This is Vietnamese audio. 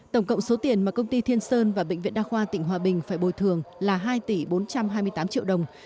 tổng cộng số tiền mà công ty thiên sơn và bệnh viện đa khoa tỉnh hòa bình phải bồi thường là hai tỷ bốn trăm hai mươi tám triệu đồng